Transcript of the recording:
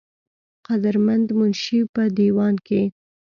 قدر مند منشي پۀ دېوان کښې